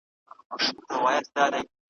څنګه به هیری کړم ماشومي او زلمۍ ورځي مي ,